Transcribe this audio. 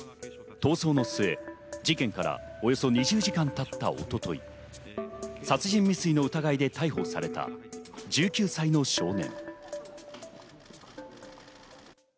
逃走の末、事件からおよそ２０時間経った一昨日、殺人未遂の疑いで逮捕された１９歳の少年。